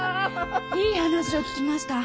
いい話を聞きました！